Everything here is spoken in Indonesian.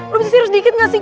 lo bisa serius dikit gak sih